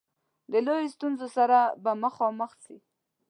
د لویو ستونزو سره به مخامخ سي.